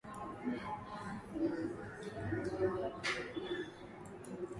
Viongozi wa nchi wamekuwa mstari wa mbele kuunga mkono juhudi za usafi wa mazingira